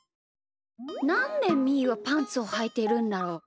なんでみーはパンツをはいてるんだろう？